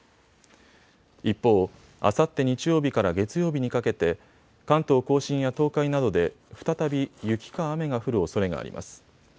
一方、あさって日曜日から月曜日にかけて関東甲信や東海などで再び雪か雨が降るおそれがあります。